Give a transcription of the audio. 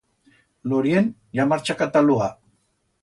Lorient ya marcha cata'l lugar.